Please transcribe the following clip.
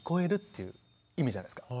という意味じゃないですか。